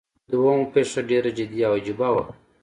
دوهمه پیښه ډیره جدي او عجیبه وه.